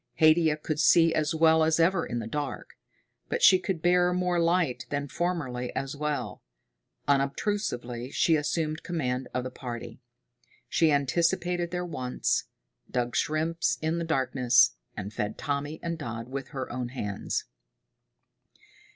Haidia could see as well as ever in the dark, but she could bear more light than formerly as well. Unobtrusively she assumed command of the party. She anticipated their wants, dug shrimps in the darkness, and fed Tommy and Dodd with her own hands.